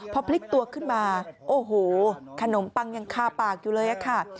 พอพลิกตัวขึ้นมาโอ้โหขนมปังยังคาปากอยู่เลยอะค่ะ